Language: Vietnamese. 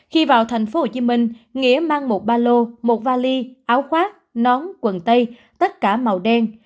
khi vào tp hcm nghĩa mang một ba lô một vali áo khoác nón quần tây tất cả màu đen